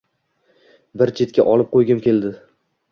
Bir chetga olib qo‘ygim keldi